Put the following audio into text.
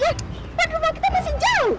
padahal rumah kita masih jauh